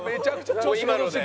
今ので。